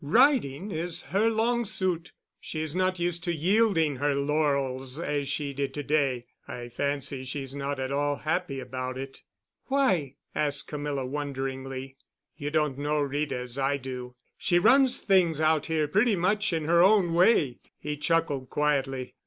Riding is her long suit. She's not used to yielding her laurels as she did to day. I fancy she's not at all happy about it." "Why?" asked Camilla, wonderingly. "You don't know Rita as I do. She runs things out here pretty much in her own way." He chuckled quietly.